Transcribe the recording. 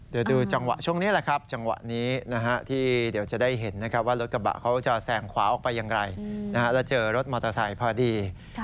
เดี๋ยวดูจังหวะช่วงนี้แหละครับจังหวะนี้ที่เดี๋ยวจะได้เห็นนะครับว่ารถกระบะเขาจะแสงขวาออกไปอย่างไรแล้วเจอรถมอเตอร์ไซค์พอดี